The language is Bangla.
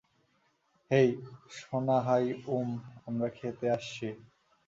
হেই, সোনা হাই উম, আমরা খেতে আসছি।